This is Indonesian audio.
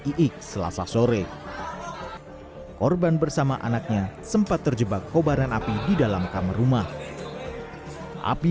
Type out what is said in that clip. iik selasa sore korban bersama anaknya sempat terjebak kobaran api di dalam kamar rumah api